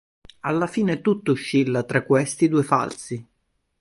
Alla fine tutto oscilla tra questi due falsi.